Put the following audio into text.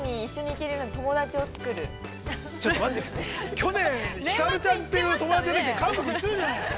去年、ひかるちゃんっていう友達ができて韓国に行ってるじゃない。